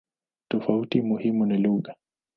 Tofauti muhimu ni lugha.